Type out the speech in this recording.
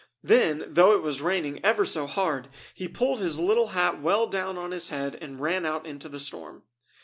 Then, though it was raining ever so hard, he pulled his little hat well down on his head and ran out into the storm.